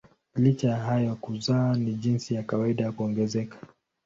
Licha ya hayo kuzaa ni jinsi ya kawaida ya kuongezeka.